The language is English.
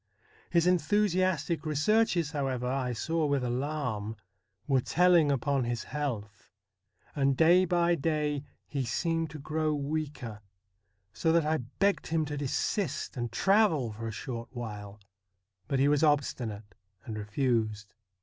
His enthusiastic researches, however, I saw with alarm, were telling upon his health, and day by day he seemed to grow weaker, so that I begged him to desist, and travel for a short while ; but he was obstinate and refused.